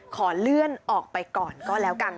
ขอเลื่อนออกไปก่อนก็แล้วกัน